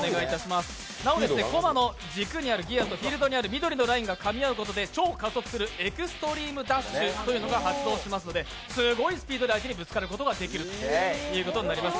なお、こまの軸にあるギアとフィールドにある黄色のギアがかみ合うことで超加速するエクストリームダッシュというのが発動しますのですごいスピードで相手にぶつかることができることになります。